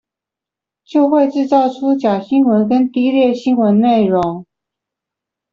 就會製造出假新聞跟低劣新聞內容